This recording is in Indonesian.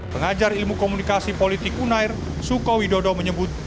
pengajar ilmu komunikasi politik unair suko widodo menyebut